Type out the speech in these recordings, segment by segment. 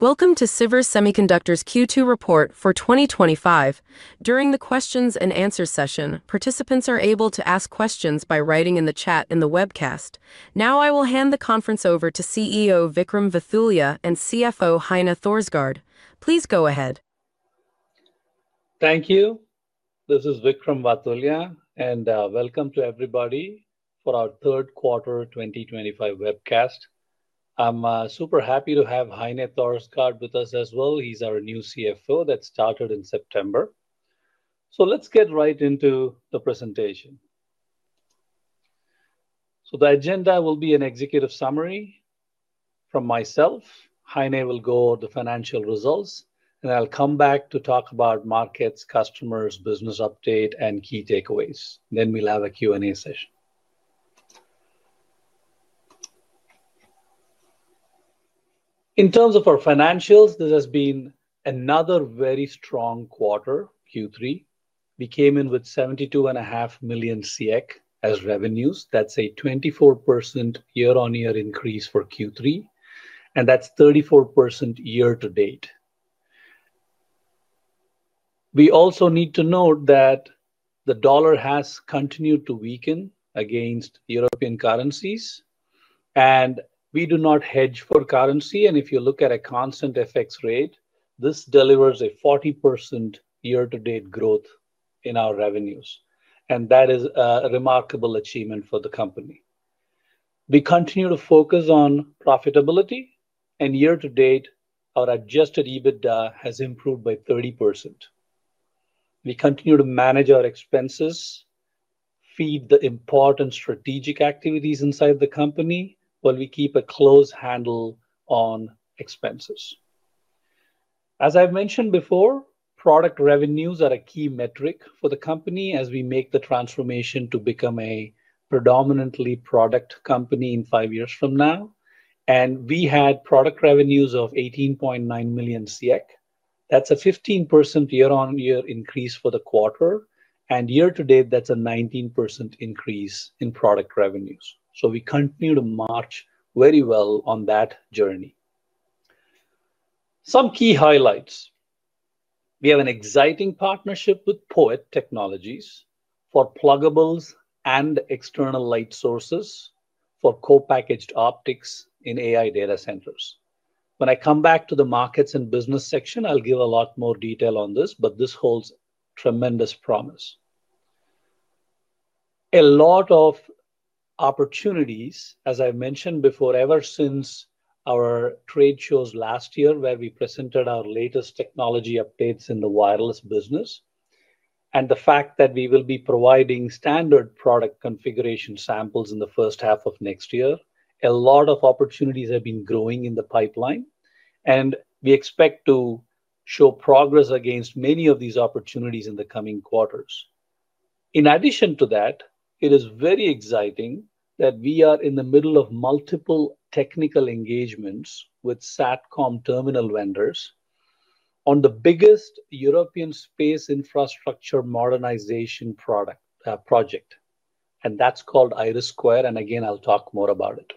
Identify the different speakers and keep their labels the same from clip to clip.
Speaker 1: Welcome to Sivers Semiconductors Q2 report for 2025. During the questions-and-answers session, participants are able to ask questions by writing in the chat in the webcast. Now, I will hand the conference over to CEO Vickram Vathulya and CFO Heine Thorsgaard. Please go ahead.
Speaker 2: Thank you. This is Vickram Vathulya, and welcome to everybody for our third quarter 2025 webcast. I'm super happy to have Heine Thorsgaard with us as well. He's our new CFO that started in September. Let's get right into the presentation. The agenda will be an executive summary from myself. Heine will go over the financial results, and I'll come back to talk about markets, customers, business update, and key takeaways. We will have a Q&A session. In terms of our financials, this has been another very strong quarter, Q3. We came in with 72.5 million as revenues. That's a 24% year-on-year increase for Q3, and that's 34% year to date. We also need to note that the dollar has continued to weaken against European currencies, and we do not hedge for currency. If you look at a constant FX rate, this delivers a 40% year-to-date growth in our revenues, and that is a remarkable achievement for the company. We continue to focus on profitability, and year to date, our Adjusted EBITDA has improved by 30%. We continue to manage our expenses, feed the important strategic activities inside the company while we keep a close handle on expenses. As I've mentioned before, product revenues are a key metric for the company as we make the transformation to become a predominantly product company in five years from now. We had product revenues of 18.9 million. That's a 15% year-on-year increase for the quarter, and year to date, that's a 19% increase in product revenues. We continue to march very well on that journey. Some key highlights. We have an exciting partnership with POET Technologies for pluggable optical transceivers and external light sources for co-packaged optics in AI data centers. When I come back to the markets and business section, I'll give a lot more detail on this, but this holds tremendous promise. A lot of opportunities, as I've mentioned before, ever since our trade shows last year where we presented our latest technology updates in the wireless business, and the fact that we will be providing standard product configuration samples in the first half of next year. A lot of opportunities have been growing in the pipeline, and we expect to show progress against many of these opportunities in the coming quarters. In addition to that, it is very exciting that we are in the middle of multiple technical engagements with SatCom terminal vendors on the biggest European space infrastructure modernization project, and that's called IRIS². I'll talk more about it.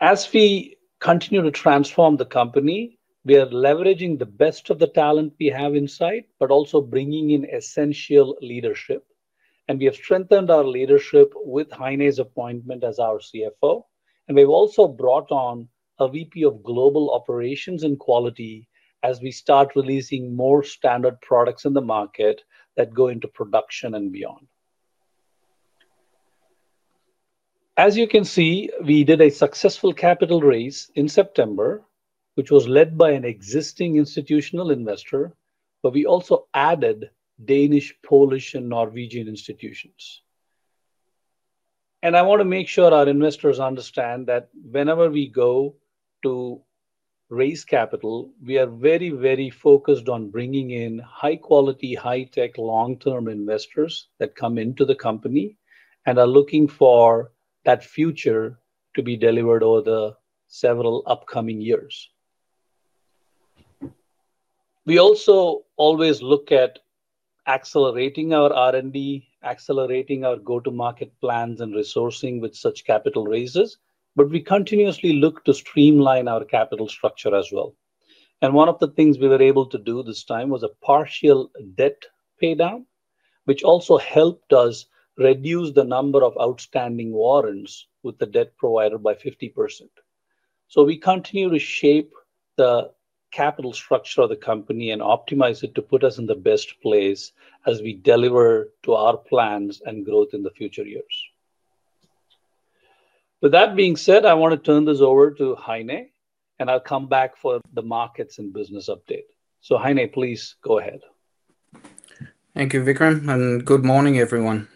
Speaker 2: As we continue to transform the company, we are leveraging the best of the talent we have in sight, but also bringing in essential leadership. We have strengthened our leadership with Heine's appointment as our CFO, and we've also brought on a VP of Global Operations and Quality as we start releasing more standard products in the market that go into production and beyond. As you can see, we did a successful capital raise in September, which was led by an existing institutional investor, but we also added Danish, Polish, and Norwegian institutions. I want to make sure our investors understand that whenever we go to raise capital, we are very, very focused on bringing in high-quality, high-tech, long-term investors that come into the company and are looking for that future to be delivered over the several upcoming years. We also always look at accelerating our R&D, accelerating our go-to-market plans, and resourcing with such capital raises, but we continuously look to streamline our capital structure as well. One of the things we were able to do this time was a partial debt paydown, which also helped us reduce the number of outstanding warrants with the debt provider by 50%. We continue to shape the capital structure of the company and optimize it to put us in the best place as we deliver to our plans and growth in the future years. With that being said, I want to turn this over to Heine, and I'll come back for the markets and business update. Heine, please go ahead.
Speaker 3: Thank you, Vickram, and good morning, everyone.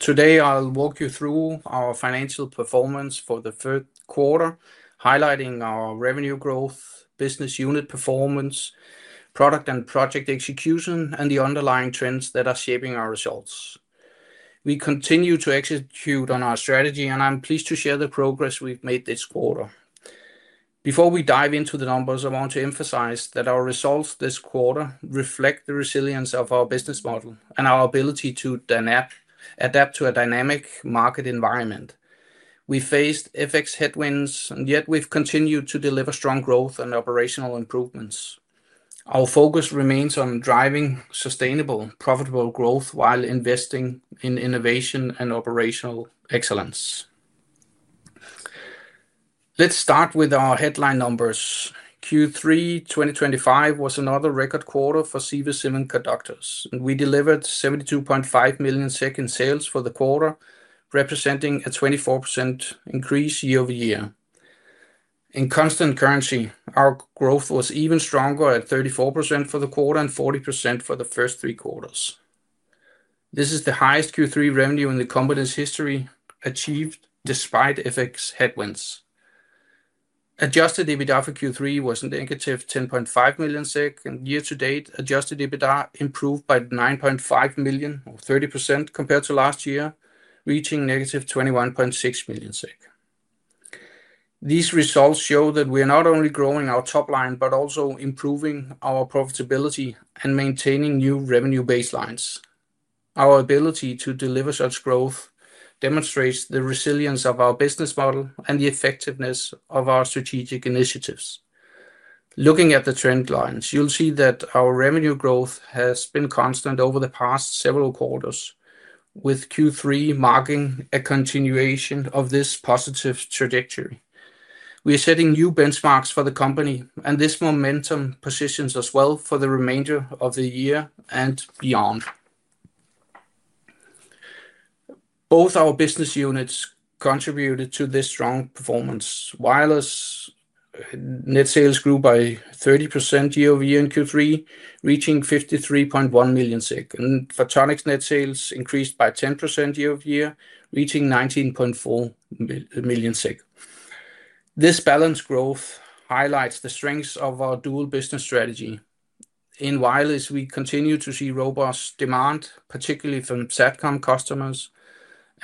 Speaker 3: Today, I'll walk you through our financial performance for the third quarter, highlighting our revenue growth, business unit performance, product and project execution, and the underlying trends that are shaping our results. We continue to execute on our strategy, and I'm pleased to share the progress we've made this quarter. Before we dive into the numbers, I want to emphasize that our results this quarter reflect the resilience of our business model and our ability to adapt to a dynamic market environment. We faced FX headwinds, yet we've continued to deliver strong growth and operational improvements. Our focus remains on driving sustainable, profitable growth while investing in innovation and operational excellence. Let's start with our headline numbers. Q3 2025 was another record quarter for Sivers Semiconductors, and we delivered 72.5 million in sales for the quarter, representing a 24% increase year-over-year. In constant currency, our growth was even stronger at 34% for the quarter and 40% for the first three quarters. This is the highest Q3 revenue in the company's history, achieved despite FX headwinds. Adjusted EBITDA for Q3 was -10.5 million SEK. Year to date, Adjusted EBITDA improved by 9.5 million, or 30% compared to last year, reaching -21.6 million SEK. These results show that we are not only growing our top line, but also improving our profitability and maintaining new revenue baselines. Our ability to deliver such growth demonstrates the resilience of our business model and the effectiveness of our strategic initiatives. Looking at the trend lines, you'll see that our revenue growth has been constant over the past several quarters, with Q3 marking a continuation of this positive trajectory. We are setting new benchmarks for the company, and this momentum positions us well for the remainder of the year and beyond. Both our business units contributed to this strong performance. Wireless net sales grew by 30% year-over-year in Q3, reaching 53.1 million SEK. Photonics net sales increased by 10% year-over-year, reaching 19.4 million SEK. This balanced growth highlights the strengths of our dual business strategy. In wireless, we continue to see robust demand, particularly from SatCom customers,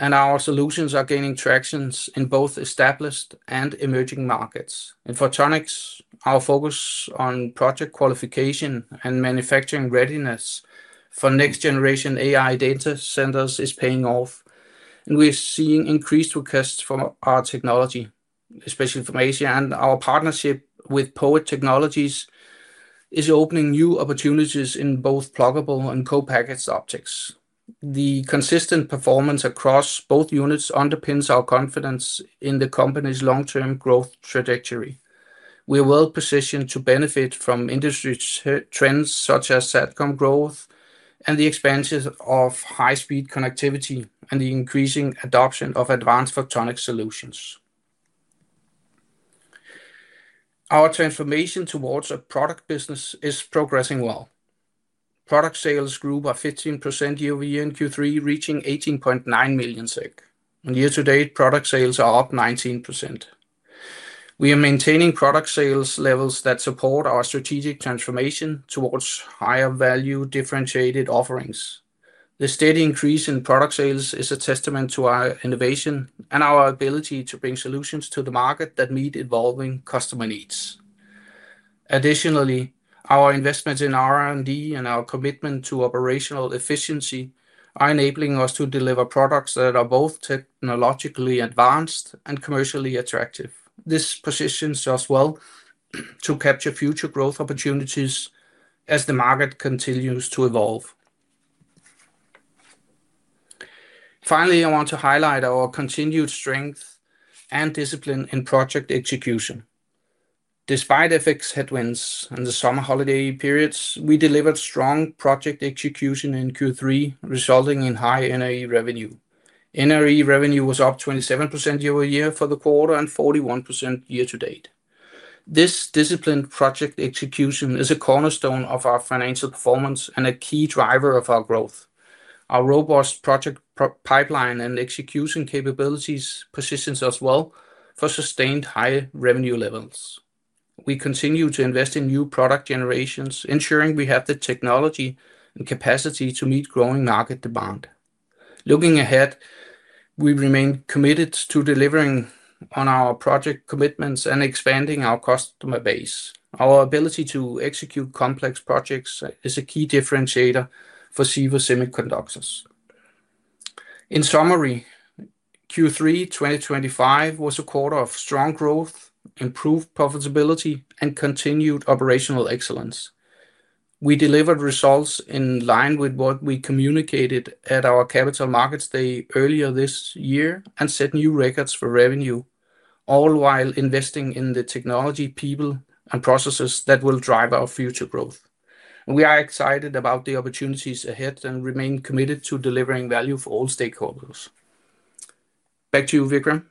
Speaker 3: and our solutions are gaining traction in both established and emerging markets. In Photonics, our focus on project qualification and manufacturing readiness for next-generation AI data centers is paying off, and we're seeing increased requests for our technology, especially from Asia. Our partnership with POET Technologies is opening new opportunities in both pluggable and co-packaged optics. The consistent performance across both units underpins our confidence in the company's long-term growth trajectory. We are well positioned to benefit from industry trends such as SatCom growth and the expansion of high-speed connectivity and the increasing adoption of advanced photonic solutions. Our transformation towards a product business is progressing well. Product sales grew by 15% year-over-year in Q3, reaching 18.9 million SEK. Year to date, product sales are up 19%. We are maintaining product sales levels that support our strategic transformation towards higher value, differentiated offerings. The steady increase in product sales is a testament to our innovation and our ability to bring solutions to the market that meet evolving customer needs. Additionally, our investments in R&D and our commitment to operational efficiency are enabling us to deliver products that are both technologically advanced and commercially attractive. This positions us well to capture future growth opportunities as the market continues to evolve. Finally, I want to highlight our continued strength and discipline in project execution. Despite FX headwinds and the summer holiday periods, we delivered strong project execution in Q3, resulting in high NRE revenue. NRE revenue was up 27% year-over-year for the quarter and 41% year to date. This disciplined project execution is a cornerstone of our financial performance and a key driver of our growth. Our robust project pipeline and execution capabilities position us well for sustained high revenue levels. We continue to invest in new product generations, ensuring we have the technology and capacity to meet growing market demand. Looking ahead, we remain committed to delivering on our project commitments and expanding our customer base. Our ability to execute complex projects is a key differentiator for Sivers Semiconductors. In summary, Q3 2025 was a quarter of strong growth, improved profitability, and continued operational excellence. We delivered results in line with what we communicated at our Capital Markets Day earlier this year and set new records for revenue, all while investing in the technology, people, and processes that will drive our future growth. We are excited about the opportunities ahead and remain committed to delivering value for all stakeholders. Back to you, Vickram.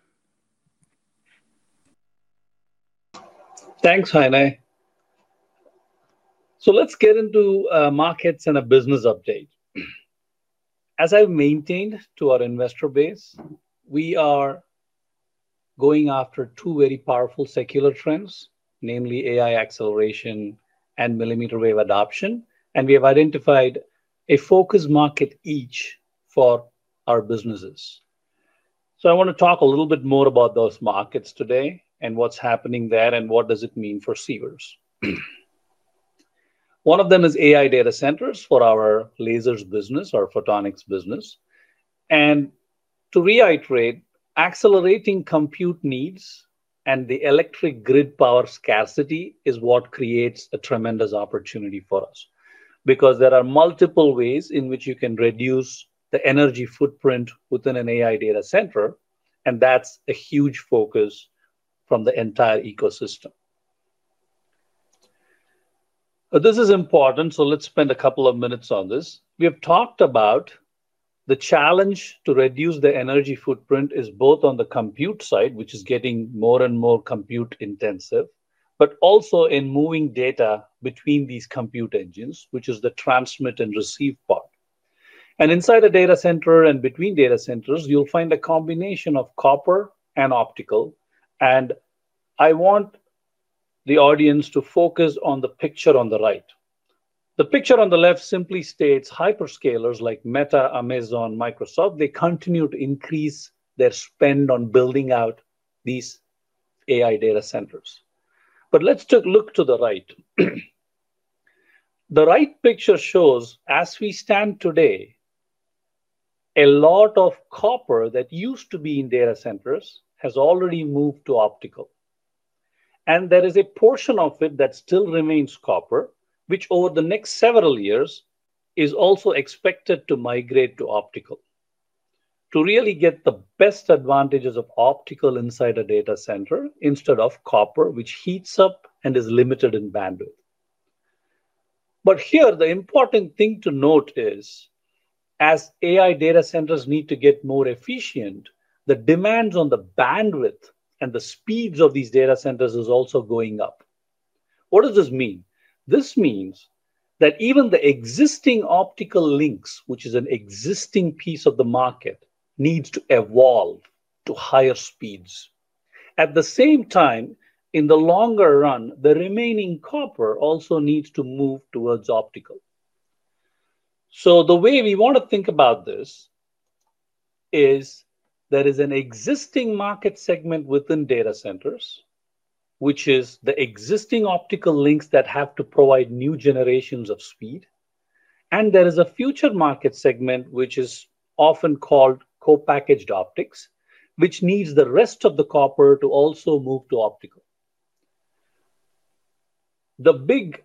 Speaker 2: Thanks, Heine. Let's get into markets and a business update. As I've maintained to our investor base, we are going after two very powerful secular trends, namely AI acceleration and millimeter wave adoption, and we have identified a focused market each for our businesses. I want to talk a little bit more about those markets today and what's happening there and what does it mean for Sivers. One of them is AI data centers for our lasers business, our photonics business. To reiterate, accelerating compute needs and the electric grid power scarcity is what creates a tremendous opportunity for us because there are multiple ways in which you can reduce the energy footprint within an AI data center, and that's a huge focus from the entire ecosystem. This is important, so let's spend a couple of minutes on this. We have talked about the challenge to reduce the energy footprint is both on the compute side, which is getting more and more compute intensive, but also in moving data between these compute engines, which is the transmit and receive part. Inside a data center and between data centers, you'll find a combination of copper and optical, and I want the audience to focus on the picture on the right. The picture on the left simply states hyperscalers like Meta, Amazon, Microsoft, they continue to increase their spend on building out these AI data centers. Let's take a look to the right. The right picture shows as we stand today, a lot of copper that used to be in data centers has already moved to optical. There is a portion of it that still remains copper, which over the next several years is also expected to migrate to optical. To really get the best advantages of optical inside a data center instead of copper, which heats up and is limited in bandwidth. Here, the important thing to note is as AI data centers need to get more efficient, the demands on the bandwidth and the speeds of these data centers are also going up. What does this mean? This means that even the existing optical links, which is an existing piece of the market, needs to evolve to higher speeds. At the same time, in the longer run, the remaining copper also needs to move towards optical. The way we want to think about this is there is an existing market segment within data centers, which is the existing optical links that have to provide new generations of speed. There is a future market segment, which is often called co-packaged optics, which needs the rest of the copper to also move to optical. The big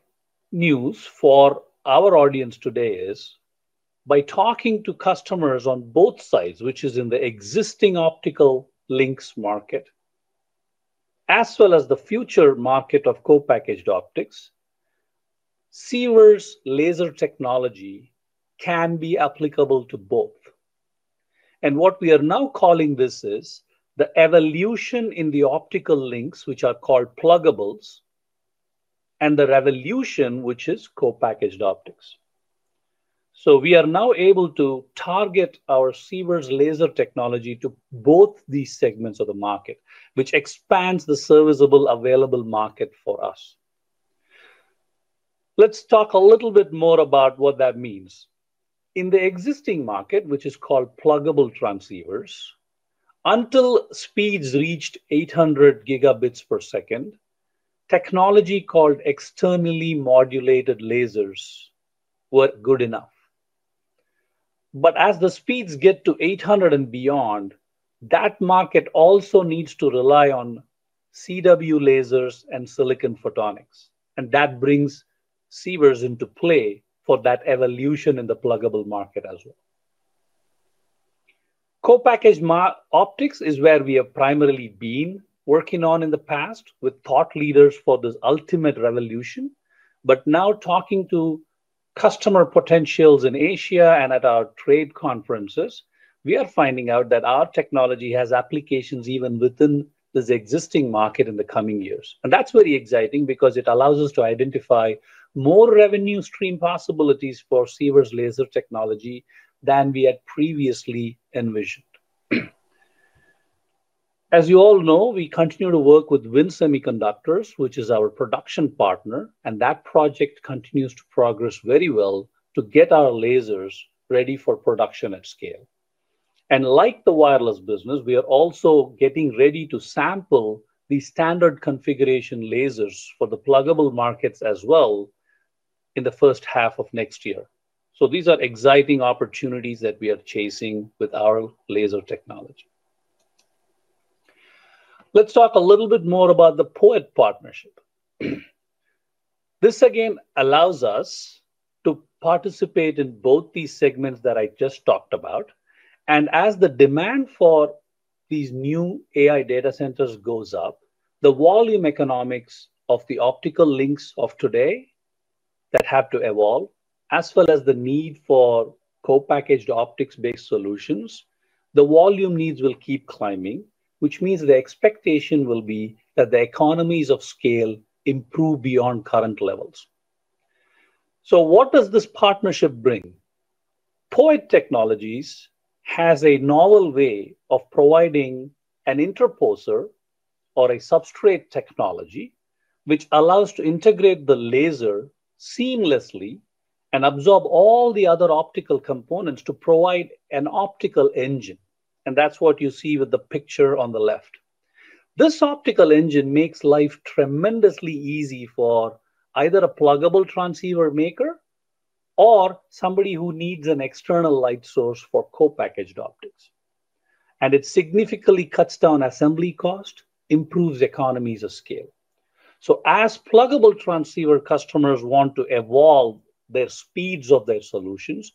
Speaker 2: news for our audience today is by talking to customers on both sides, which is in the existing optical links market, as well as the future market of co-packaged optics, Sivers laser technology can be applicable to both. What we are now calling this is the evolution in the optical links, which are called pluggables, and the revolution, which is co-packaged optics. We are now able to target our Sivers laser technology to both these segments of the market, which expands the serviceable available market for us. Let's talk a little bit more about what that means. In the existing market, which is called pluggable transceivers, until speeds reached 800 Gbps, technology called externally modulated lasers was good enough. As the speeds get to 800 Gbps, and beyond, that market also needs to rely on CW lasers and silicon photonics, and that brings Sivers into play for that evolution in the pluggable market as well. Co-packaged optics is where we have primarily been working on in the past with thought leaders for this ultimate revolution. Now, talking to customer potentials in Asia and at our trade conferences, we are finding out that our technology has applications even within this existing market in the coming years. That is very exciting because it allows us to identify more revenue stream possibilities for Sivers laser technology than we had previously envisioned. As you all know, we continue to work with WIN Semiconductors, which is our production partner, and that project continues to progress very well to get our lasers ready for production at scale. Like the wireless business, we are also getting ready to sample these standard configuration lasers for the pluggable markets as well in the first half of next year. These are exciting opportunities that we are chasing with our laser technology. Let's talk a little bit more about the POET partnership. This, again, allows us to participate in both these segments that I just talked about. As the demand for these new AI data centers goes up, the volume economics of the optical links of today have to evolve, as well as the need for co-packaged optics-based solutions. The volume needs will keep climbing, which means the expectation will be that the economies of scale improve beyond current levels. What does this partnership bring? POET Technologies has a novel way of providing an interposer or a substrate technology, which allows integration of the laser seamlessly and absorbs all the other optical components to provide an optical engine. That's what you see with the picture on the left. This optical engine makes life tremendously easy for either a pluggable transceiver maker or somebody who needs an external light source for co-packaged optics. It significantly cuts down assembly cost and improves economies of scale. As pluggable transceiver customers want to evolve the speeds of their solutions,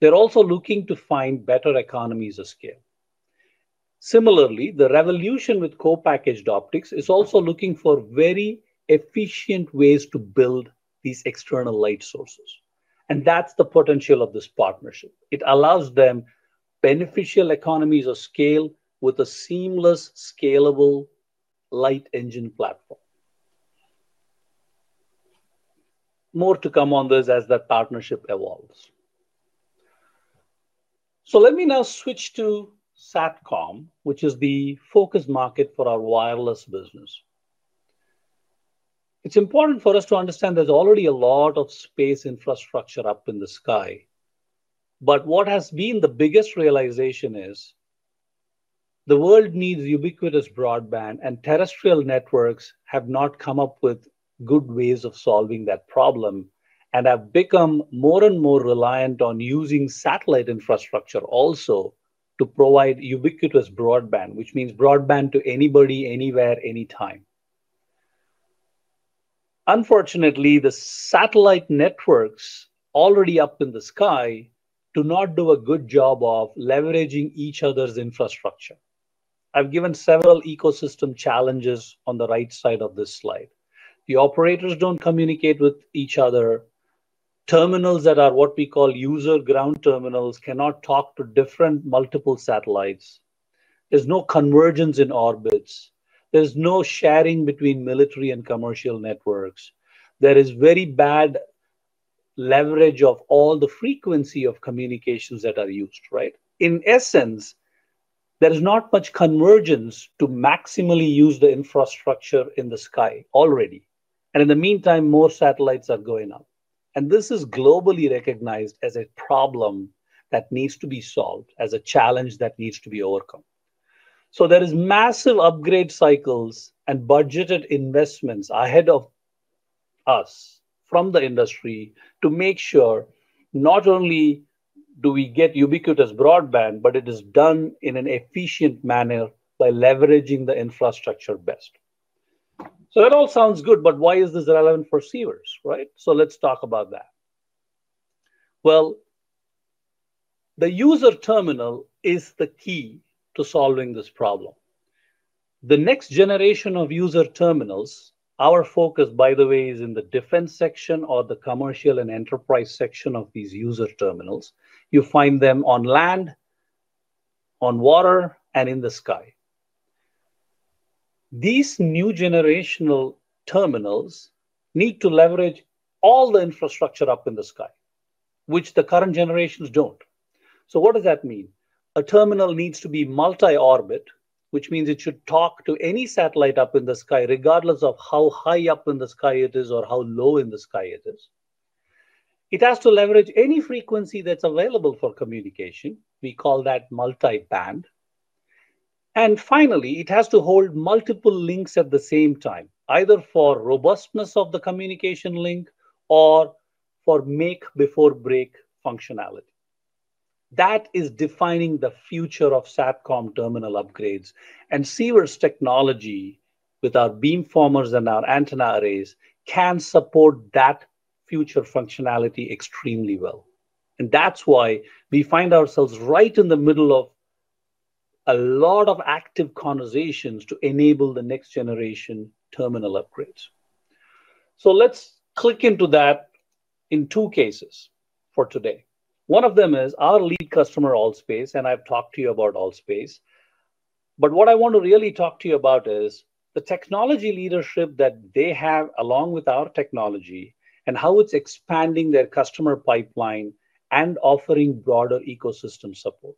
Speaker 2: they're also looking to find better economies of scale. Similarly, the revolution with co-packaged optics is also looking for very efficient ways to build these external light sources. That's the potential of this partnership. It allows them beneficial economies of scale with a seamless, scalable light engine platform. More to come on this as that partnership evolves. Let me now switch to SatCom, which is the focus market for our wireless business. It's important for us to understand there's already a lot of space infrastructure up in the sky. What has been the biggest realization is the world needs ubiquitous broadband, and terrestrial networks have not come up with good ways of solving that problem and have become more and more reliant on using satellite infrastructure also to provide ubiquitous broadband, which means broadband to anybody, anywhere, anytime. Unfortunately, the satellite networks already up in the sky do not do a good job of leveraging each other's infrastructure. I've given several ecosystem challenges on the right side of this slide. The operators don't communicate with each other. Terminals that are what we call user ground terminals cannot talk to different multiple satellites. There's no convergence in orbits. There's no sharing between military and commercial networks. There is very bad leverage of all the frequency of communications that are used, right? In essence, there's not much convergence to maximally use the infrastructure in the sky already. In the meantime, more satellites are going up. This is globally recognized as a problem that needs to be solved, as a challenge that needs to be overcome. There are massive upgrade cycles and budgeted investments ahead of us from the industry to make sure not only do we get ubiquitous broadband, but it is done in an efficient manner by leveraging the infrastructure best. That all sounds good, but why is this relevant for Sivers, right? Let's talk about that. The user terminal is the key to solving this problem. The next generation of user terminals, our focus, by the way, is in the defense section or the commercial and enterprise section of these user terminals. You find them on land, on water, and in the sky. These new generational terminals need to leverage all the infrastructure up in the sky, which the current generations don't. What does that mean? A terminal needs to be multi-orbit, which means it should talk to any satellite up in the sky, regardless of how high up in the sky it is or how low in the sky it is. It has to leverage any frequency that's available for communication. We call that multi-band. Finally, it has to hold multiple links at the same time, either for robustness of the communication link or for make-before-break functionality. That is defining the future of SatCom terminal upgrades. Sivers technology, with our beamformers and our antenna arrays, can support that future functionality extremely well. That's why we find ourselves right in the middle of a lot of active conversations to enable the next generation terminal upgrades. Let's click into that in two cases for today. One of them is our lead customer, All.Space, and I've talked to you about All.Space. What I want to really talk to you about is the technology leadership that they have along with our technology and how it's expanding their customer pipeline and offering broader ecosystem support.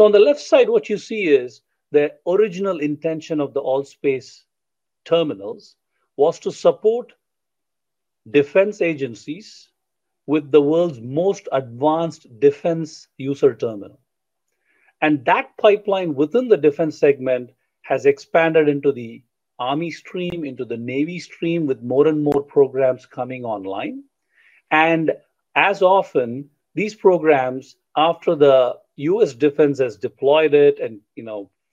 Speaker 2: On the left side, what you see is the original intention of the All.Space terminals was to support defense agencies with the world's most advanced defense user terminal. That pipeline within the defense segment has expanded into the Army stream, into the Navy stream, with more and more programs coming online. As often, these programs, after the U.S. defense has deployed it and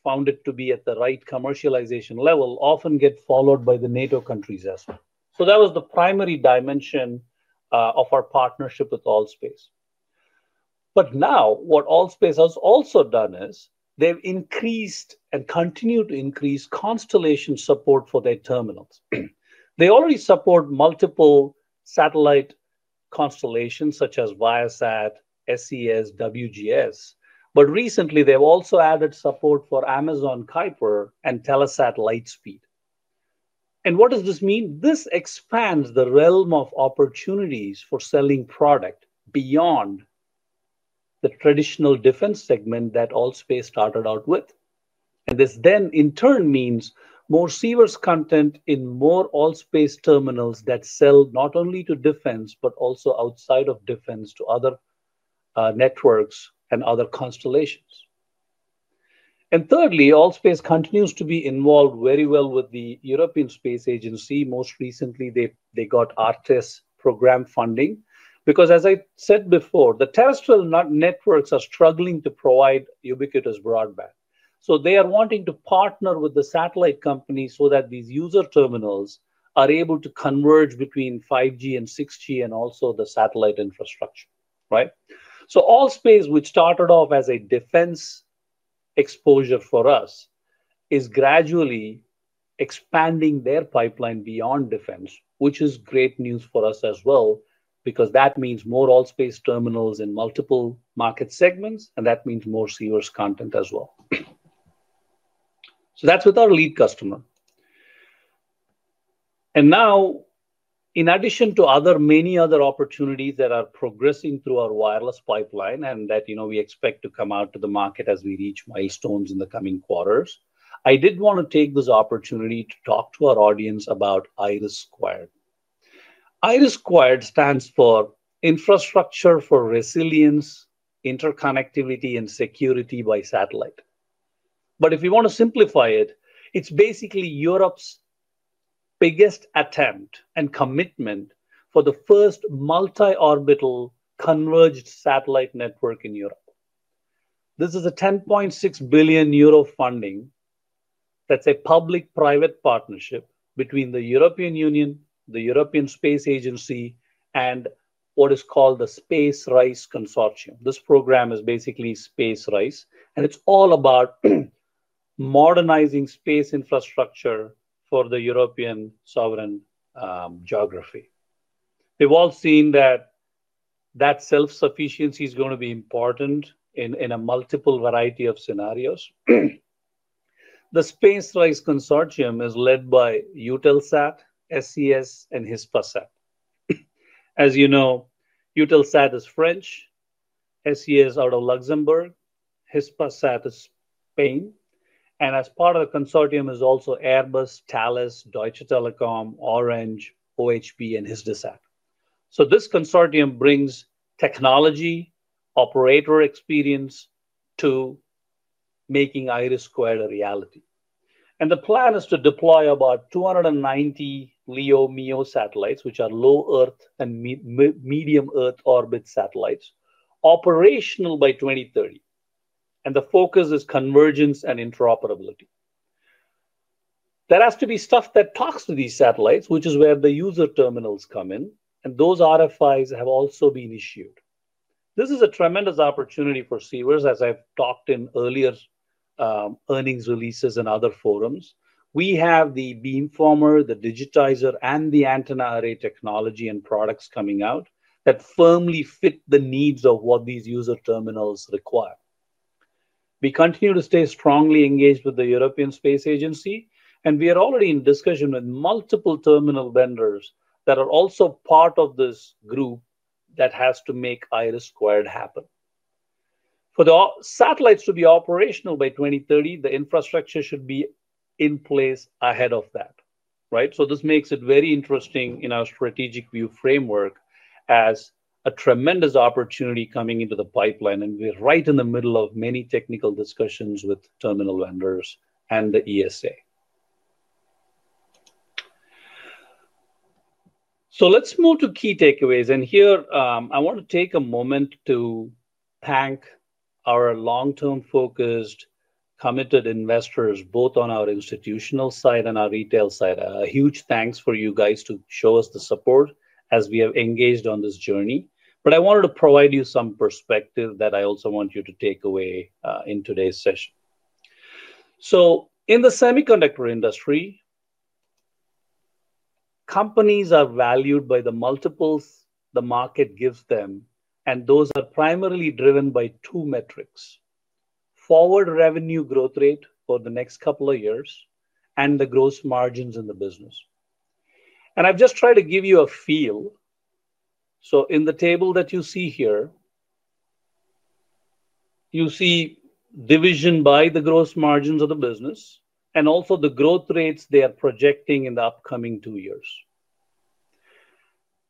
Speaker 2: found it to be at the right commercialization level, often get followed by the NATO countries as well. That was the primary dimension of our partnership with All.Space. What All.Space has also done is they've increased and continue to increase constellation support for their terminals. They already support multiple satellite constellations such as Viasat, SES, WGS. Recently, they've also added support for Amazon Kuiper and Telesat Lightspeed. What does this mean? This expands the realm of opportunities for selling product beyond the traditional defense segment that All.Space started out with. This then, in turn, means more Sivers content in more All.Space terminals that sell not only to defense, but also outside of defense to other networks and other constellations. Thirdly, All.Space continues to be involved very well with the European Space Agency. Most recently, they got ARTES program funding because, as I said before, the terrestrial networks are struggling to provide ubiquitous broadband. They are wanting to partner with the satellite companies so that these user terminals are able to converge between 5G and 6G and also the satellite infrastructure, right? All.Space, which started off as a defense exposure for us, is gradually expanding their pipeline beyond defense, which is great news for us as well because that means more All.Space terminals in multiple market segments, and that means more Sivers content as well. That's with our lead customer. In addition to many other opportunities that are progressing through our wireless pipeline and that we expect to come out to the market as we reach milestones in the coming quarters, I did want to take this opportunity to talk to our audience about IRIS². IRIS² stands for Infrastructure for Resilience, Interconnectivity, and Security by Satellite. If we want to simplify it, it's basically Europe's biggest attempt and commitment for the first multi-orbital converged satellite network in Europe. This is a 10.6 billion euro funding that's a public-private partnership between the European Union, the European Space Agency, and what is called the SpaceRISE Consortium. This program is basically SpaceRISE, and it's all about modernizing space infrastructure for the European sovereign geography. We've all seen that self-sufficiency is going to be important in a multiple variety of scenarios. The Space RISE Consortium is led by Eutelsat, SES, and Hispasat. As you know, Eutelsat is French, SES out of Luxembourg, Hispasat is Spain, and as part of the consortium is also Airbus, Thales, Deutsche Telekom, Orange, OHB, and Hisdesat. This consortium brings technology, operator experience to making IRIS² a reality. The plan is to deploy about 290 LEO/MEO satellites, which are low Earth and medium Earth orbit satellites, operational by 2030. The focus is convergence and interoperability. There has to be stuff that talks to these satellites, which is where the user terminals come in, and those RFIs have also been issued. This is a tremendous opportunity for Sivers Semiconductors, as I've talked in earlier earnings releases and other forums. We have the beamformer, the digitizer, and the antenna array technology and products coming out that firmly fit the needs of what these user terminals require. We continue to stay strongly engaged with the European Space Agency, and we are already in discussion with multiple terminal vendors that are also part of this group that has to make IRIS² happen. For the satellites to be operational by 2030, the infrastructure should be in place ahead of that, right? This makes it very interesting in our strategic view framework as a tremendous opportunity coming into the pipeline, and we're right in the middle of many technical discussions with terminal vendors and the European Space Agency. Let's move to key takeaways. Here, I want to take a moment to thank our long-term focused, committed investors, both on our institutional side and our retail side. A huge thanks for you guys to show us the support as we have engaged on this journey. I wanted to provide you some perspective that I also want you to take away in today's session. In the semiconductor industry, companies are valued by the multiples the market gives them, and those are primarily driven by two metrics: forward revenue growth rate for the next couple of years and the gross margins in the business. I've just tried to give you a feel. In the table that you see here, you see division by the gross margins of the business and also the growth rates they are projecting in the upcoming two years.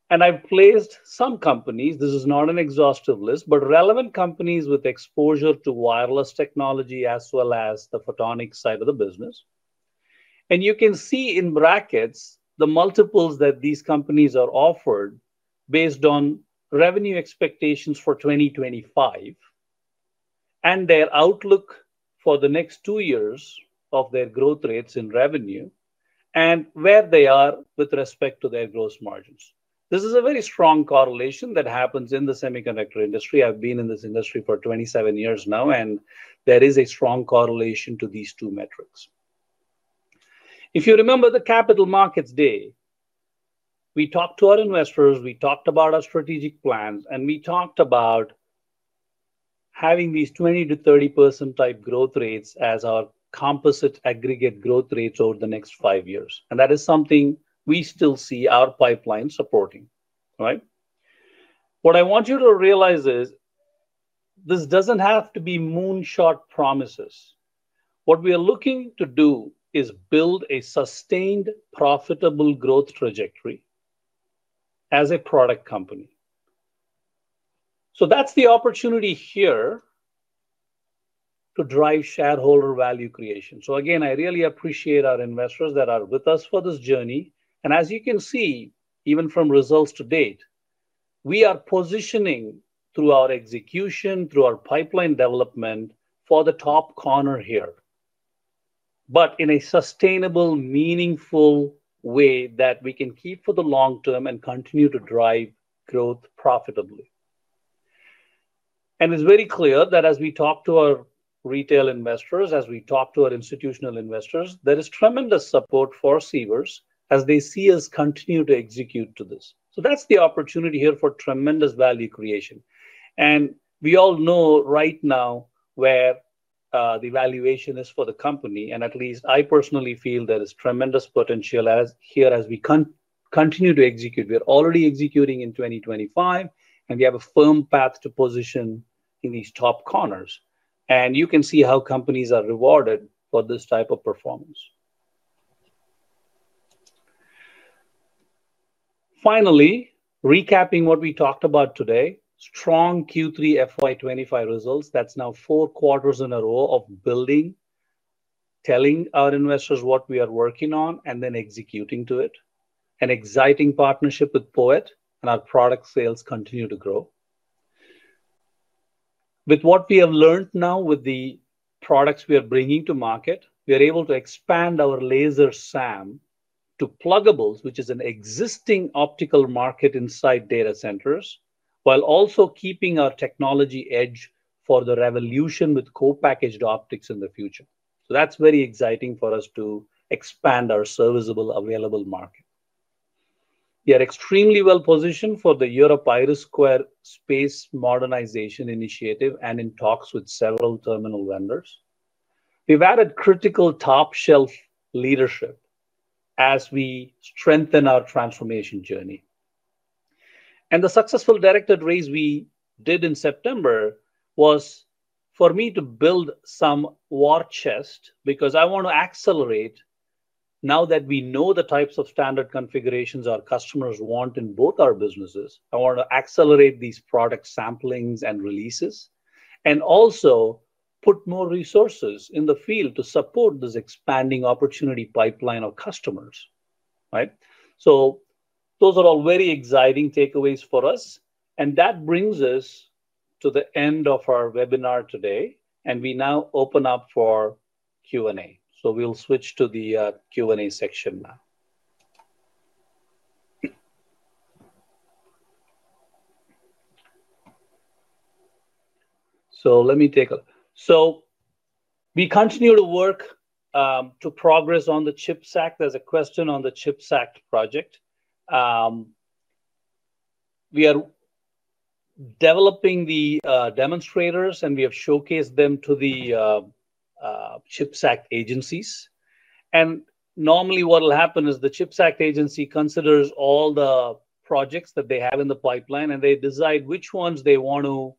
Speaker 2: I've placed some companies—this is not an exhaustive list—but relevant companies with exposure to wireless technology as well as the photonics side of the business. You can see in brackets the multiples that these companies are offered based on revenue expectations for 2025 and their outlook for the next two years of their growth rates in revenue and where they are with respect to their gross margins. This is a very strong correlation that happens in the semiconductor industry. I've been in this industry for 27 years now, and there is a strong correlation to these two metrics. If you remember the Capital Markets Day, we talked to our investors, we talked about our strategic plans, and we talked about having these 20% to 30% type growth rates as our composite aggregate growth rates over the next five years. That is something we still see our pipeline supporting, right? What I want you to realize is this doesn't have to be moonshot promises. What we are looking to do is build a sustained, profitable growth trajectory as a product company. That's the opportunity here to drive shareholder value creation. I really appreciate our investors that are with us for this journey. As you can see, even from results to date, we are positioning through our execution, through our pipeline development for the top corner here, but in a sustainable, meaningful way that we can keep for the long term and continue to drive growth profitably. It is very clear that as we talk to our retail investors, as we talk to our institutional investors, there is tremendous support for Sivers as they see us continue to execute to this. That's the opportunity here for tremendous value creation. We all know right now where the valuation is for the company, and at least I personally feel there is tremendous potential here as we continue to execute. We are already executing in 2025, and we have a firm path to position in these top corners. You can see how companies are rewarded for this type of performance. Finally, recapping what we talked about today, strong Q3 FY 2025 results. That's now four quarters in a row of building, telling our investors what we are working on, and then executing to it. An exciting partnership with POET, and our product sales continue to grow. With what we have learned now with the products we are bringing to market, we are able to expand our laser SAM to pluggables, which is an existing optical market inside data centers, while also keeping our technology edge for the revolution with co-packaged optics in the future. That is very exciting for us to expand our serviceable available market. We are extremely well positioned for the Europe IRIS² space modernization initiative and in talks with several terminal vendors. We've added critical top-shelf leadership as we strengthen our transformation journey. The successful directed raise we did in September was for me to build some war chest because I want to accelerate now that we know the types of standard configurations our customers want in both our businesses. I want to accelerate these product samplings and releases and also put more resources in the field to support this expanding opportunity pipeline of customers, right? Those are all very exciting takeaways for us. That brings us to the end of our webinar today, and we now open up for Q&A. We'll switch to the Q&A section now. Let me take a look. We continue to work to progress on the CHIPS Act. There's a question on the CHIPS Act project. We are developing the demonstrators, and we have showcased them to the CHIPS Act agencies. Normally, what will happen is the CHIPS Act agency considers all the projects that they have in the pipeline, and they decide which ones they want to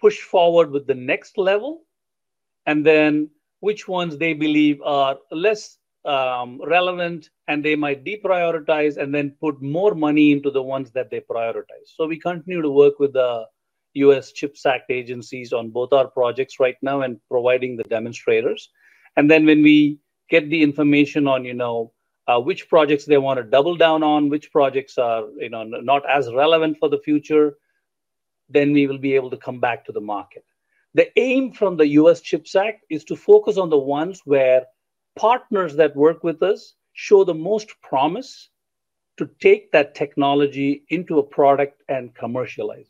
Speaker 2: push forward with the next level and which ones they believe are less relevant, and they might deprioritize and then put more money into the ones that they prioritize. We continue to work with the U.S. CHIPS Act agencies on both our projects right now and providing the demonstrators. When we get the information on which projects they want to double down on, which projects are not as relevant for the future, then we will be able to come back to the market. The aim from the U.S. CHIPS Act is to focus on the ones where partners that work with us show the most promise to take that technology into a product and commercialize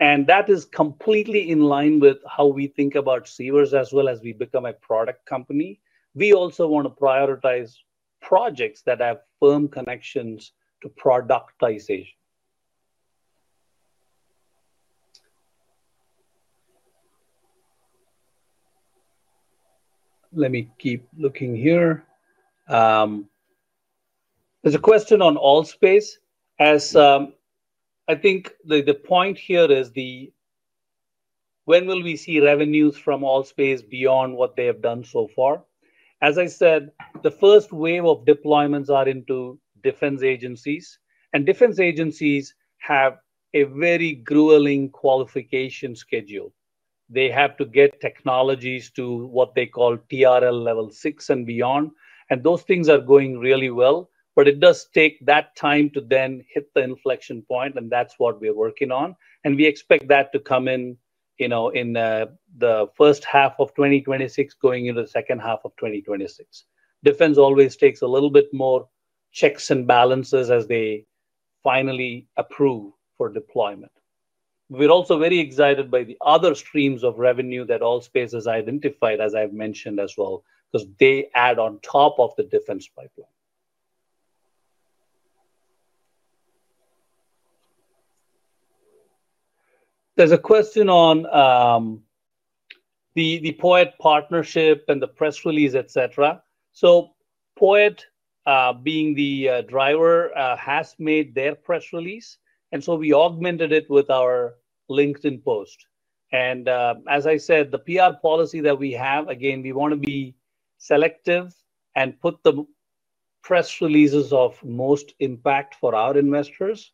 Speaker 2: it. That is completely in line with how we think about Sivers Semiconductors as well as we become a product company. We also want to prioritize projects that have firm connections to productization. Let me keep looking here. There's a question on All.Space. I think the point here is when will we see revenues from All.Space beyond what they have done so far? As I said, the first wave of deployments are into defense agencies, and defense agencies have a very grueling qualification schedule. They have to get technologies to what they call TRL level six and beyond. Those things are going really well, but it does take that time to then hit the inflection point, and that's what we're working on. We expect that to come in, you know, in the first half of 2026, going into the second half of 2026. Defense always takes a little bit more checks and balances as they finally approve for deployment. We're also very excited by the other streams of revenue that All.Space has identified, as I've mentioned as well, because they add on top of the defense pipeline. There's a question on the POET partnership and the press release, et cetera. POET, being the driver, has made their press release, and we augmented it with our LinkedIn post. As I said, the PR policy that we have, again, we want to be selective and put the press releases of most impact for our investors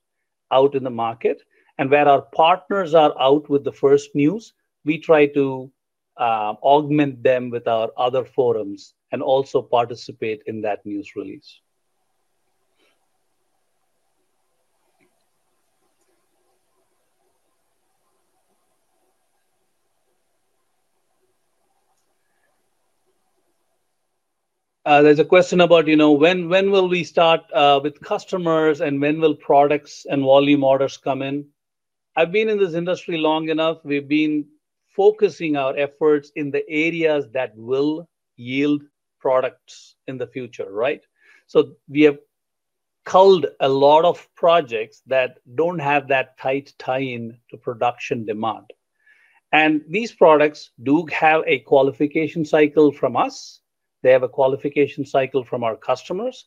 Speaker 2: out in the market. Where our partners are out with the first news, we try to augment them with our other forums and also participate in that news release. There's a question about when we will start with customers and when products and volume orders will come in. I've been in this industry long enough. We've been focusing our efforts in the areas that will yield products in the future, right? We have culled a lot of projects that don't have that tight tie-in to production demand. These products do have a qualification cycle from us. They have a qualification cycle from our customers,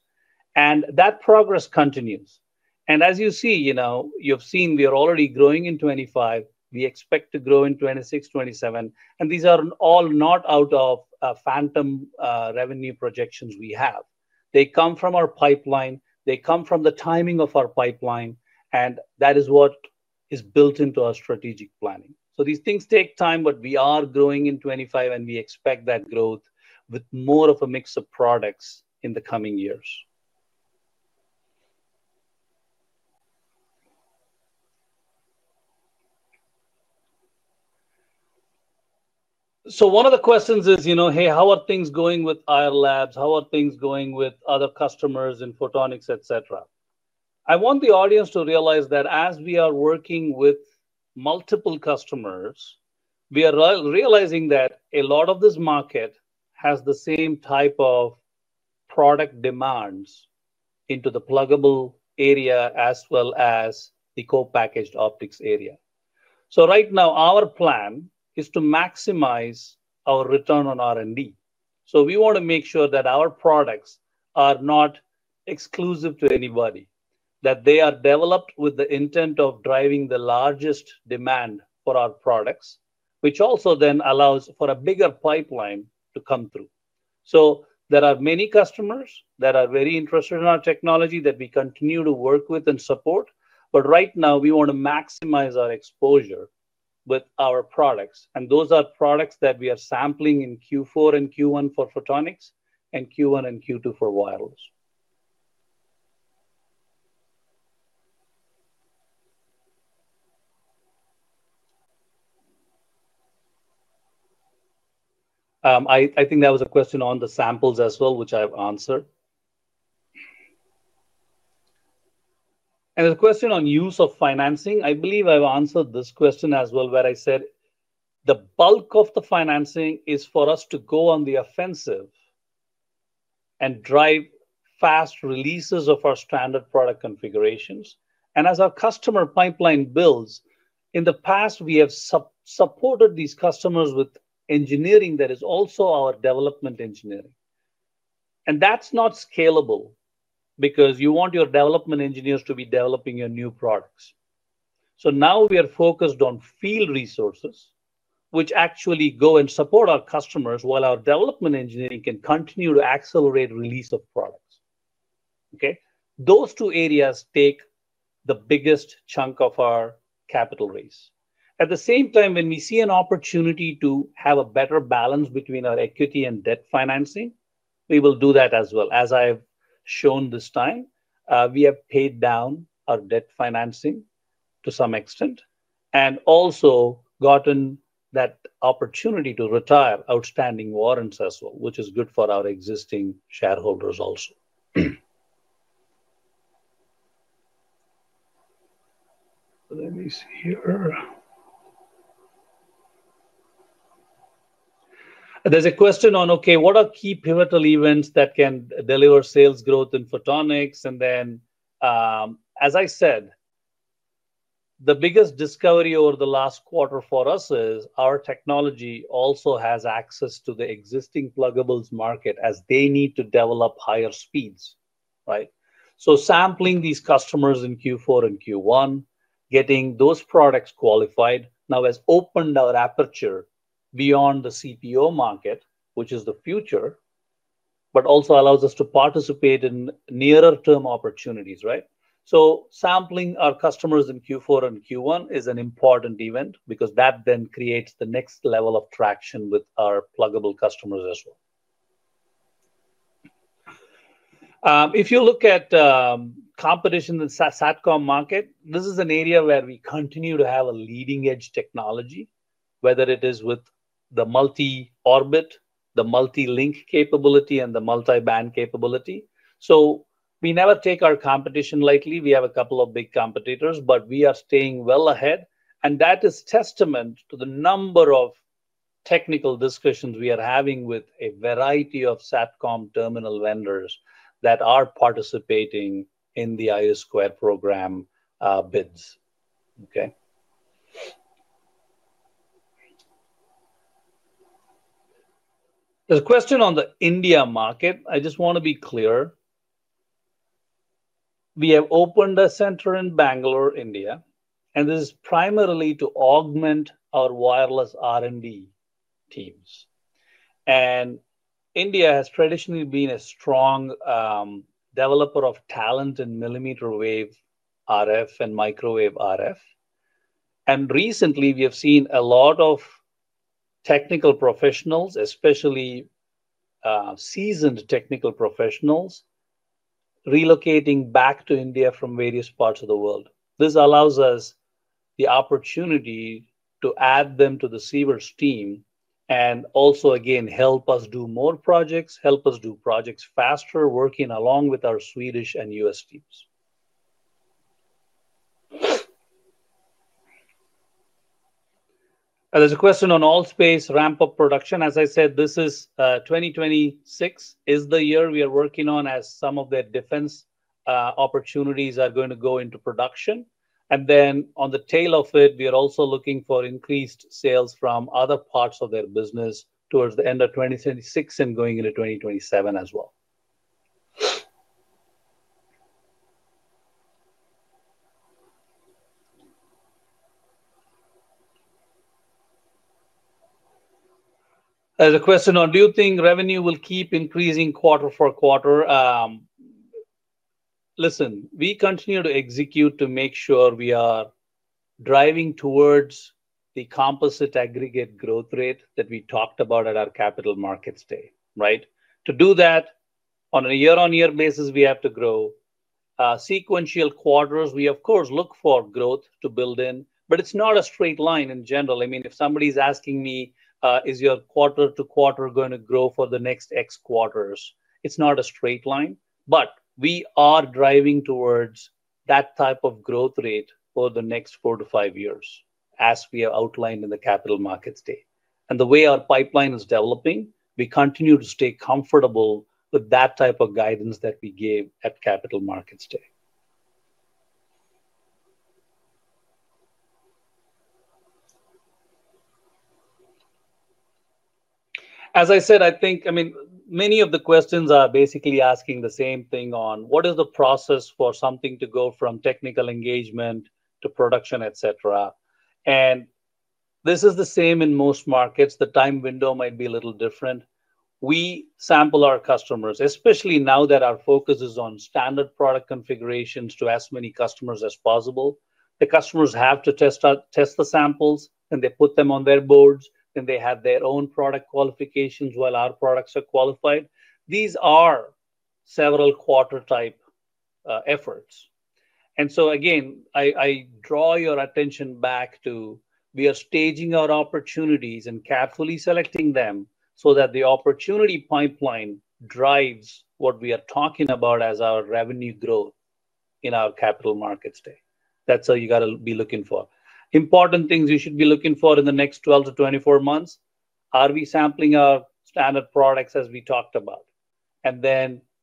Speaker 2: and that progress continues. As you see, you've seen we are already growing in 2025. We expect to grow in 2026, 2027, and these are all not out of phantom revenue projections we have. They come from our pipeline. They come from the timing of our pipeline, and that is what is built into our strategic planning. These things take time, but we are growing in 2025, and we expect that growth with more of a mix of products in the coming years. One of the questions is, hey, how are things going with Ayar Labs? How are things going with other customers in photonics, et cetera? I want the audience to realize that as we are working with multiple customers, we are realizing that a lot of this market has the same type of product demands into the pluggable area as well as the co-packaged optics area. Right now, our plan is to maximize our return on R&D. We want to make sure that our products are not exclusive to anybody, that they are developed with the intent of driving the largest demand for our products, which also then allows for a bigger pipeline to come through. There are many customers that are very interested in our technology that we continue to work with and support. Right now, we want to maximize our exposure with our products, and those are products that we are sampling in Q4 and Q1 for photonics and Q1 and Q2 for wireless. I think that was a question on the samples as well, which I've answered. There's a question on use of financing. I believe I've answered this question as well, where I said the bulk of the financing is for us to go on the offensive and drive fast releases of our standard product configurations. As our customer pipeline builds, in the past, we have supported these customers with engineering that is also our development engineering. That's not scalable because you want your development engineers to be developing your new products. Now we are focused on field resources, which actually go and support our customers while our development engineering can continue to accelerate release of products. Those two areas take the biggest chunk of our capital raise. At the same time, when we see an opportunity to have a better balance between our equity and debt financing, we will do that as well. As I've shown this time, we have paid down our debt financing to some extent and also gotten that opportunity to retire outstanding warrants as well, which is good for our existing shareholders also. Let me see here. There's a question on what are key pivotal events that can deliver sales growth in photonics. As I said, the biggest discovery over the last quarter for us is our technology also has access to the existing pluggables market as they need to develop higher speeds, right? Sampling these customers in Q4 and Q1, getting those products qualified now has opened our aperture beyond the CPO market, which is the future, but also allows us to participate in nearer-term opportunities, right? Sampling our customers in Q4 and Q1 is an important event because that then creates the next level of traction with our pluggable customers as well. If you look at competition in the SatCom market, this is an area where we continue to have a leading-edge technology, whether it is with the multi-orbit, the multi-link capability, and the multi-band capability. We never take our competition lightly. We have a couple of big competitors, but we are staying well ahead. That is testament to the number of technical discussions we are having with a variety of SatCom terminal vendors that are participating in the IRIS² program bids. There's a question on the India market. I just want to be clear. We have opened a center in Bangalore, India, and this is primarily to augment our wireless R&D teams. India has traditionally been a strong developer of talent in millimeter wave RF and microwave RF. Recently, we have seen a lot of technical professionals, especially seasoned technical professionals, relocating back to India from various parts of the world. This allows us the opportunity to add them to the Sivers team and also, again, help us do more projects, help us do projects faster, working along with our Swedish and U.S. teams. There's a question on All.Space ramp-up production. As I said, 2026 is the year we are working on as some of their defense opportunities are going to go into production. On the tail of it, we are also looking for increased sales from other parts of their business towards the end of 2026 and going into 2027 as well. There's a question on, do you think revenue will keep increasing quarter for quarter? Listen, we continue to execute to make sure we are driving towards the composite aggregate growth rate that we talked about at our Capital Markets Day, right? To do that, on a year-on-year basis, we have to grow sequential quarters. We, of course, look for growth to build in, but it's not a straight line in general. If somebody's asking me, is your quarter to quarter going to grow for the next X quarters, it's not a straight line. We are driving towards that type of growth rate for the next four to five years, as we have outlined in the Capital Markets Day. The way our pipeline is developing, we continue to stay comfortable with that type of guidance that we gave at Capital Markets Day. As I said, many of the questions are basically asking the same thing on what is the process for something to go from technical engagement to production, et cetera. This is the same in most markets. The time window might be a little different. We sample our customers, especially now that our focus is on standard product configurations to as many customers as possible. The customers have to test the samples, and they put them on their boards, and they have their own product qualifications while our products are qualified. These are several quarter-type efforts. I draw your attention back to we are staging our opportunities and carefully selecting them so that the opportunity pipeline drives what we are talking about as our revenue growth in our Capital Markets Day. That's all you got to be looking for. Important things you should be looking for in the next 12-24 months are we sampling our standard products, as we talked about.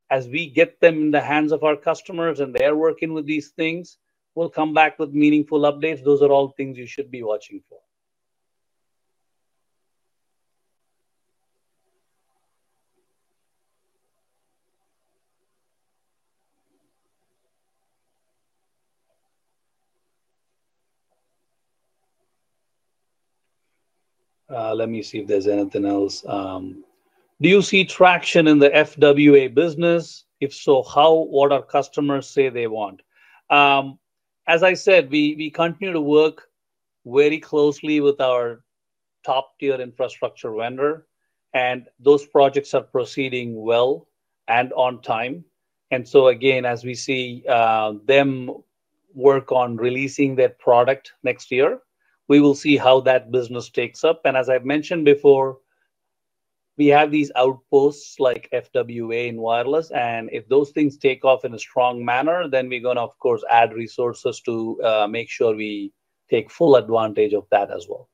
Speaker 2: As we get them in the hands of our customers and they're working with these things, we'll come back with meaningful updates. Those are all things you should be watching for. Let me see if there's anything else. Do you see traction in the FWA business? If so, how? What our customers say they want? As I said, we continue to work very closely with our top-tier infrastructure vendor, and those projects are proceeding well and on time. As we see them work on releasing their product next year, we will see how that business takes up. As I mentioned before, we have these outposts like FWA and wireless. If those things take off in a strong manner, then we're going to, of course, add resources to make sure we take full advantage of that as well.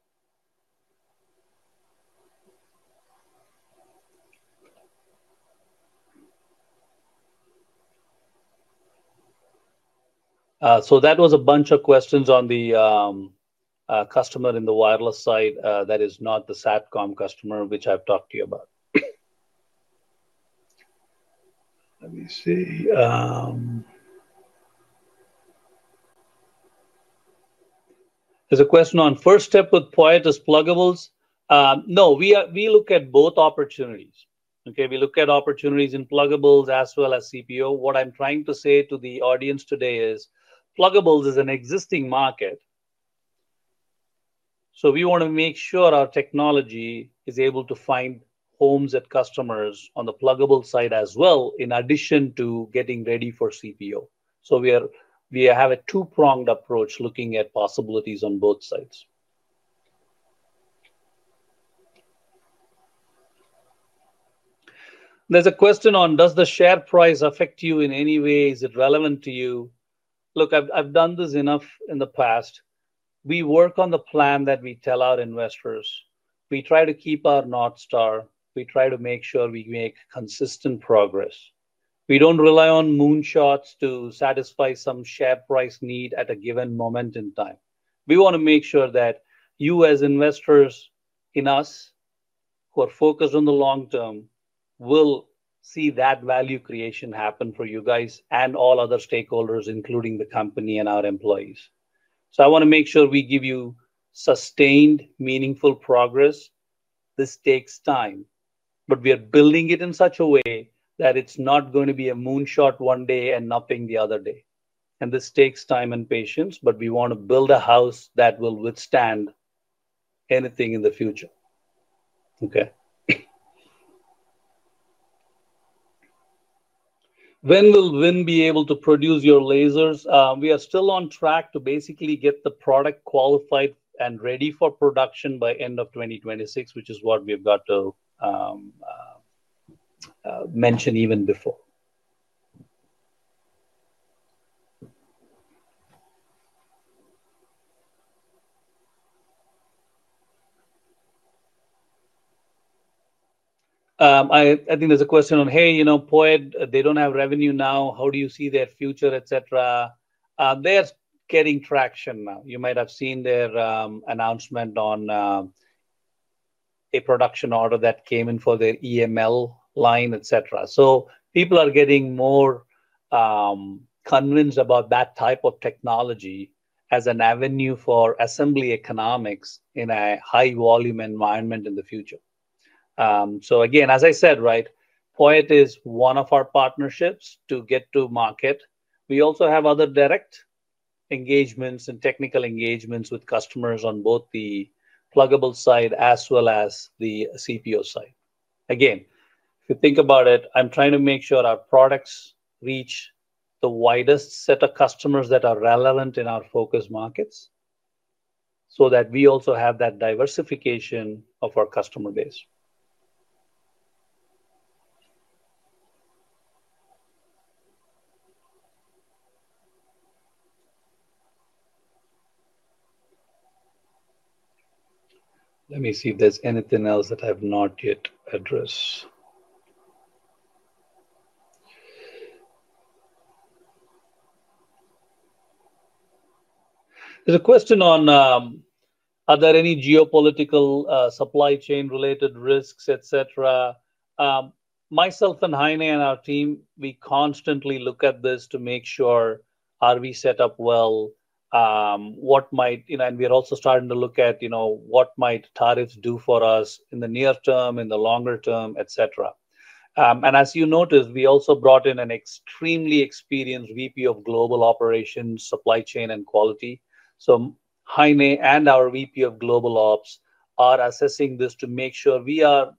Speaker 2: That was a bunch of questions on the customer in the wireless side that is not the SatCom customer, which I've talked to you about. Let me see. There's a question on first step with POET as pluggables. No, we look at both opportunities. We look at opportunities in pluggables as well as CPO. What I'm trying to say to the audience today is pluggables is an existing market. We want to make sure our technology is able to find homes at customers on the pluggable side as well, in addition to getting ready for CPO. We have a two-pronged approach looking at possibilities on both sides. There's a question on, does the share price affect you in any way? Is it relevant to you? Look, I've done this enough in the past. We work on the plan that we tell our investors. We try to keep our North Star. We try to make sure we make consistent progress. We don't rely on moonshots to satisfy some share price need at a given moment in time. We want to make sure that you, as investors in us who are focused on the long term, will see that value creation happen for you guys and all other stakeholders, including the company and our employees. I want to make sure we give you sustained, meaningful progress. This takes time, but we are building it in such a way that it's not going to be a moonshot one day and nothing the other day. This takes time and patience, but we want to build a house that will withstand anything in the future. OK. When will WIN be able to produce your lasers? We are still on track to basically get the product qualified and ready for production by the end of 2026, which is what we've got to mention even before. I think there's a question on, hey, you know, POET, they don't have revenue now. How do you see their future, et cetera? They are getting traction now. You might have seen their announcement on a production order that came in for their EML line, et cetera. People are getting more convinced about that type of technology as an avenue for assembly economics in a high-volume environment in the future. As I said, right, POET is one of our partnerships to get to market. We also have other direct engagements and technical engagements with customers on both the pluggable side as well as the CPO side. If you think about it, I'm trying to make sure our products reach the widest set of customers that are relevant in our focus markets so that we also have that diversification of our customer base. Let me see if there's anything else that I've not yet addressed. There's a question on, are there any geopolitical supply chain-related risks, et cetera? Myself and Heine and our team, we constantly look at this to make sure are we set up well? What might, you know, and we are also starting to look at, you know, what might tariffs do for us in the near term, in the longer term, et cetera. As you noticed, we also brought in an extremely experienced VP of Global Operations, Supply Chain, and Quality. Heine and our VP of Global Ops are assessing this to make sure we are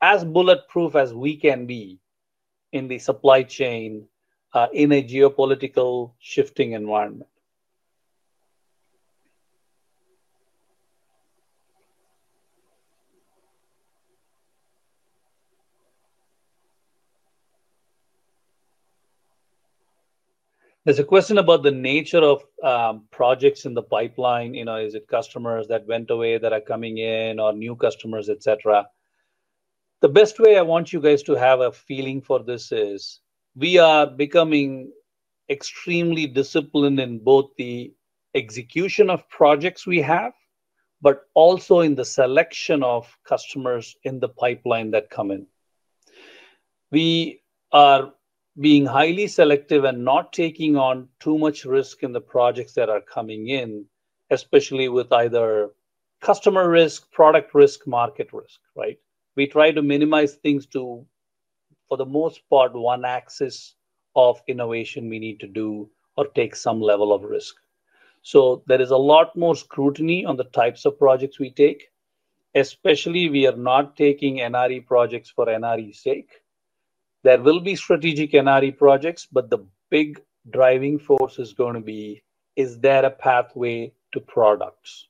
Speaker 2: as bulletproof as we can be in the supply chain in a geopolitical shifting environment. There's a question about the nature of projects in the pipeline. Is it customers that went away that are coming in or new customers, et cetera? The best way I want you guys to have a feeling for this is we are becoming extremely disciplined in both the execution of projects we have, but also in the selection of customers in the pipeline that come in. We are being highly selective and not taking on too much risk in the projects that are coming in, especially with either customer risk, product risk, market risk, right? We try to minimize things to, for the most part, one axis of innovation we need to do or take some level of risk. There is a lot more scrutiny on the types of projects we take, especially, we are not taking NRE projects for NRE's sake. There will be strategic NRE projects, but the big driving force is going to be, is there a pathway to products?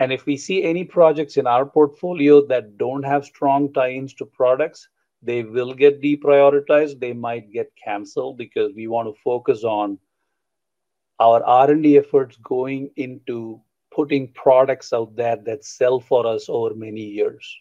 Speaker 2: If we see any projects in our portfolio that don't have strong tie-ins to products, they will get deprioritized. They might get canceled because we want to focus on our R&D efforts going into putting products out there that sell for us over many years.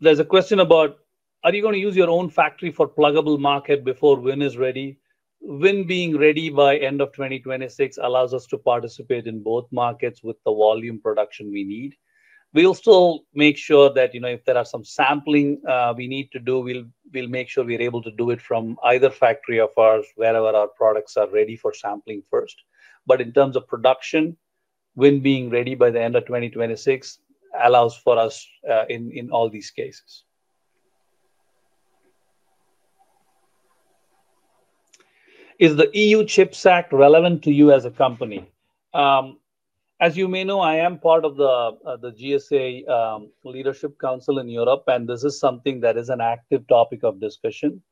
Speaker 2: There's a question about, are you going to use your own factory for pluggable market before Win is ready? Win being ready by the end of 2026 allows us to participate in both markets with the volume production we need. We'll still make sure that, you know, if there are some sampling we need to do, we'll make sure we're able to do it from either factory of ours, wherever our products are ready for sampling first. In terms of production, Win being ready by the end of 2026 allows for us in all these cases. Is the EU Chips Act relevant to you as a company? As you may know, I am part of the GSA Leadership Council in Europe, and this is something that is an active topic of discussion.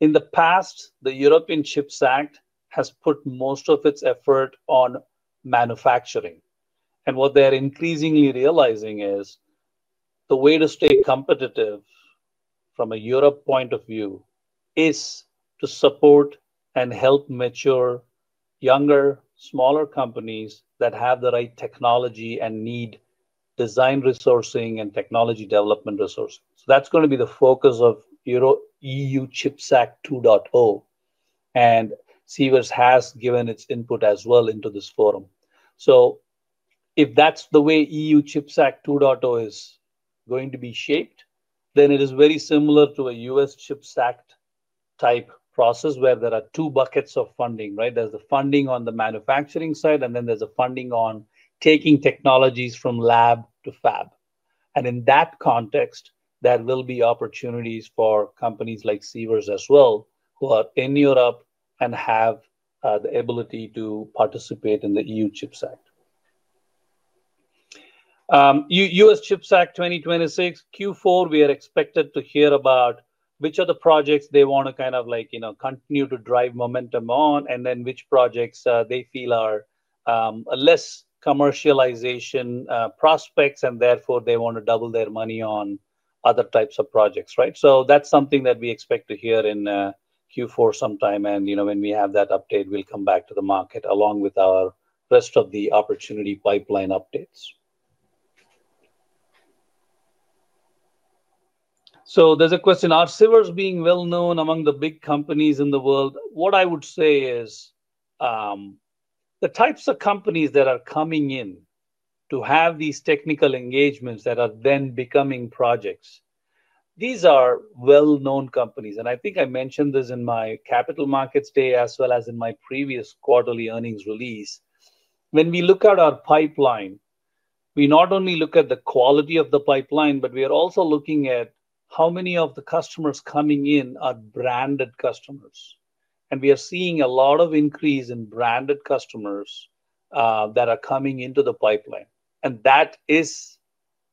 Speaker 2: In the past, the European Chips Act has put most of its effort on manufacturing. What they are increasingly realizing is the way to stay competitive from a Europe point of view is to support and help mature younger, smaller companies that have the right technology and need design resourcing and technology development resources. That's going to be the focus of EU Chips Act 2.0. Sivers has given its input as well into this forum. If that's the way EU Chips Act 2.0 is going to be shaped, then it is very similar to a U.S. Chips Act type process where there are two buckets of funding, right? There's the funding on the manufacturing side, and then there's a funding on taking technologies from lab to fab. In that context, there will be opportunities for companies like Sivers as well who are in Europe and have the ability to participate in the EU Chips Act. U.S. CHIPS Act 2026, Q4, we are expected to hear about which of the projects they want to kind of like continue to drive momentum on and then which projects they feel are less commercialization prospects and therefore they want to double their money on other types of projects, right? That's something that we expect to hear in Q4 sometime. When we have that update, we'll come back to the market along with the rest of the opportunity pipeline updates. There's a question, are Sivers being well known among the big companies in the world? What I would say is the types of companies that are coming in to have these technical engagements that are then becoming projects, these are well-known companies. I think I mentioned this in my Capital Markets Day as well as in my previous quarterly earnings release. When we look at our pipeline, we not only look at the quality of the pipeline, but we are also looking at how many of the customers coming in are branded customers. We are seeing a lot of increase in branded customers that are coming into the pipeline. That is,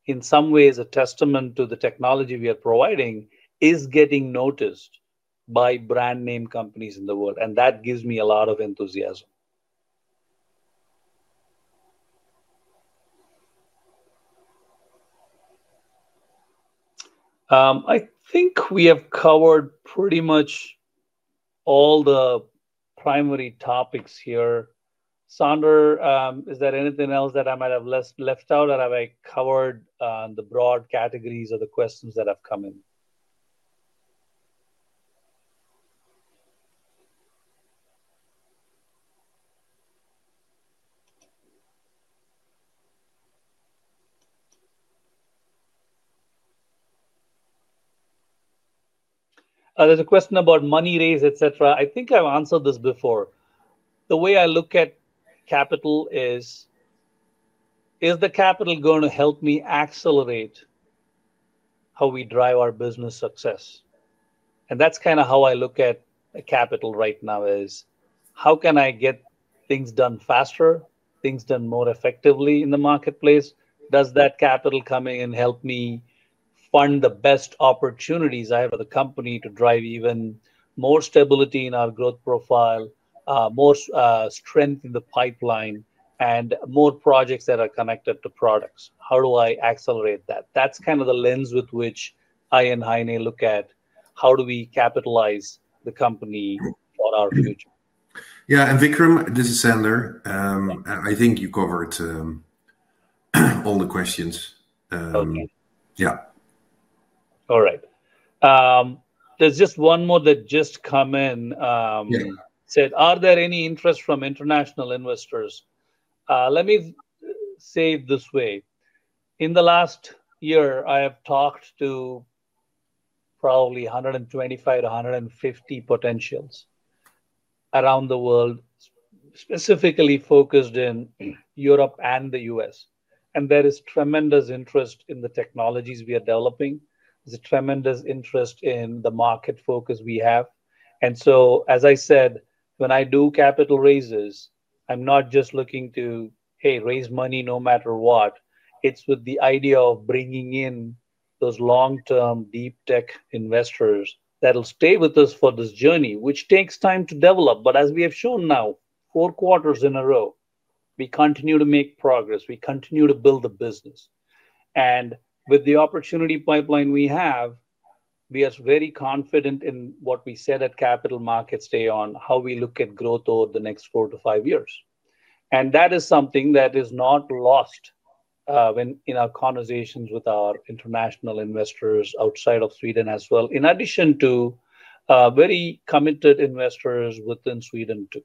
Speaker 2: in some ways, a testament to the technology we are providing is getting noticed by brand-name companies in the world. That gives me a lot of enthusiasm. I think we have covered pretty much all the primary topics here. Sandor, is there anything else that I might have left out or have I covered on the broad categories of the questions that have come in? There's a question about money raise, et cetera. I think I've answered this before. The way I look at capital is, is the capital going to help me accelerate how we drive our business success? That's kind of how I look at capital right now, how can I get things done faster, things done more effectively in the marketplace? Does that capital coming in help me fund the best opportunities I have for the company to drive even more stability in our growth profile, more strength in the pipeline, and more projects that are connected to products? How do I accelerate that? That's kind of the lens with which I and Heine look at how do we capitalize the company for our future.
Speaker 4: Yeah, and Vickram, this is Sandor. I think you covered all the questions.
Speaker 2: OK.
Speaker 4: Yeah.
Speaker 2: All right, there's just one more that just came in.
Speaker 4: Yeah.
Speaker 2: It said, are there any interests from international investors? Let me say it this way. In the last year, I have talked to probably 125-150 potentials around the world, specifically focused in Europe and the U.S. There is tremendous interest in the technologies we are developing. There is tremendous interest in the market focus we have. As I said, when I do capital raises, I'm not just looking to, hey, raise money no matter what. It's with the idea of bringing in those long-term deep tech investors that will stay with us for this journey, which takes time to develop. As we have shown now, four quarters in a row, we continue to make progress. We continue to build the business. With the opportunity pipeline we have, we are very confident in what we said at Capital Markets Day on how we look at growth over the next four to five years. That is something that is not lost in our conversations with our international investors outside of Sweden as well, in addition to very committed investors within Sweden too.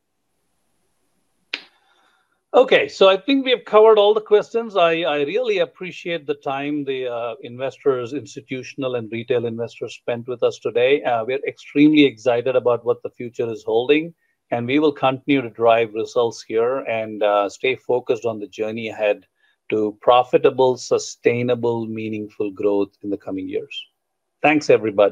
Speaker 2: I think we have covered all the questions. I really appreciate the time the investors, institutional and retail investors spent with us today. We're extremely excited about what the future is holding. We will continue to drive results here and stay focused on the journey ahead to profitable, sustainable, meaningful growth in the coming years. Thanks, everybody.